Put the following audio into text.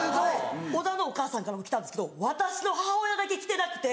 小田のお母さんからも来たんですけど私の母親だけ来てなくて。